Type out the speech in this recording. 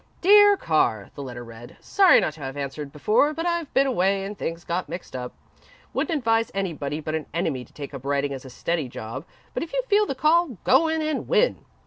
"Dear Carr," the letter read. "Sorry not to have answered before, but I've been away and things got mixed up. Wouldn't advise anybody but an enemy to take up writing as a steady job, but if you feel the call, go in and win.